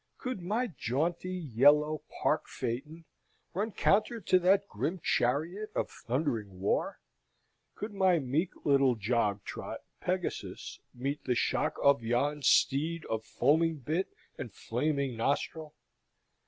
Could my jaunty, yellow park phaeton run counter to that grim chariot of thundering war? Could my meek little jog trot Pegasus meet the shock of yon steed of foaming bit and flaming nostril?